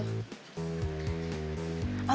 ngerima aku banyak lo